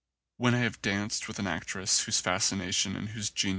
When I have danced with an actress whose fascination and whose geniu?